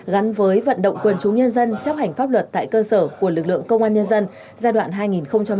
gắn với vận động quyền chúng nhân dân chấp hành pháp luật tại cơ sở của lực lượng công an nhân dân giai đoạn hai nghìn hai mươi một hai nghìn hai mươi bảy